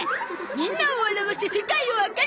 みんなを笑わせ世界を明るくする。